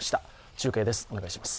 中継です。